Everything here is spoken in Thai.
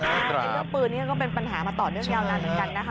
เรื่องปืนนี่ก็เป็นปัญหามาต่อเนื่องยาวนานเหมือนกันนะคะ